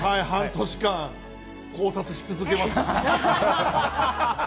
半年間、考察し続けました。